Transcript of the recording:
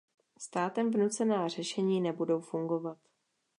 Státem vnucená řešení nebudou fungovat.